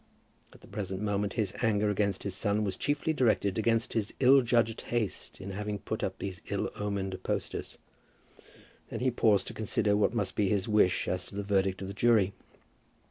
At the present moment his anger against his son was chiefly directed against his ill judged haste in having put up those ill omened posters. Then he paused to consider what must be his wish as to the verdict of the jury.